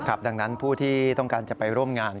ดังนั้นผู้ที่ต้องการจะไปร่วมงาน